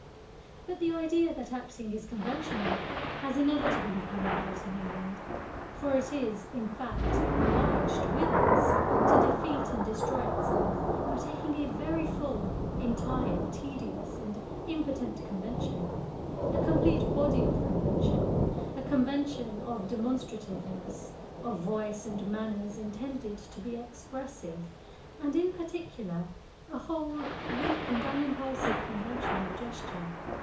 But the idea that acting is conventional has inevitably come about in England. For it is, in fact, obliged, with us, to defeat and destroy itself by taking a very full, entire, tedious, and impotent convention; a complete body of convention; a convention of demonstrativeness of voice and manners intended to be expressive, and, in particular, a whole weak and unimpulsive convention of gesture.